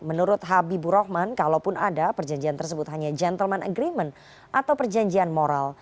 menurut habibur rahman kalaupun ada perjanjian tersebut hanya gentleman agreement atau perjanjian moral